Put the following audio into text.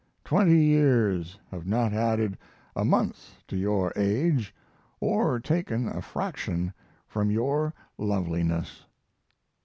Twenty years have not added a month to your age or taken a fraction from your loveliness.